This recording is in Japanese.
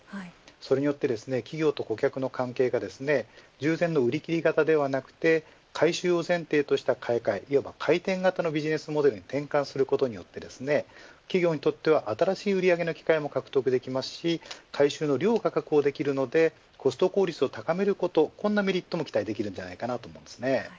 それによって企業と顧客の関係が従前の売り切り型ではなく回収を前提とした買い替え回転型のビジネスモデルに転換することによって企業にとっては新しい売り上げの機会も獲得できますし回収の量も確保できるのでコスト効率を高めることが期待できます。